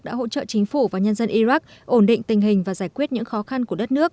đã hỗ trợ chính phủ và nhân dân iraq ổn định tình hình và giải quyết những khó khăn của đất nước